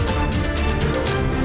kami akan segera kembali